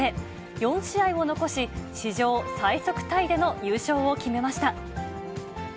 ４試合を残し、史上最速タイでの優勝を決めました。